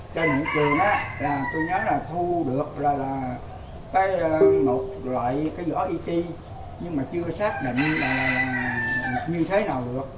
trên cái cửa đó tôi nhớ là thu được là một loại cái vỏ it nhưng mà chưa xác định là như thế nào được